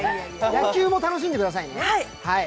野球も楽しんでくださいね。